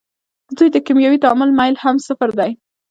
د دوی د کیمیاوي تعامل میل هم صفر دی.